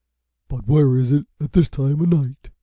"But where is it at this time of night?"